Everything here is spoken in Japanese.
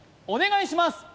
お願いします